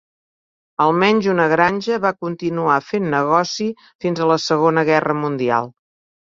Al menys una granja va continuar fent negoci fins a la Segona Guerra Mundial.